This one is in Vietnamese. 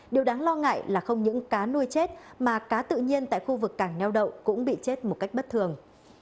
điều đáng lo ngại là không những cá nuôi chết mà cá tự nhiên tại khu vực cảng neo đậu cũng bị chết một cách bất thường